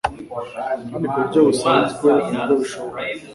kandi ku buryo busanzwe uko bishoboka,